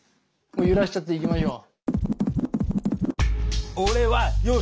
もう揺らしちゃっていきましょう。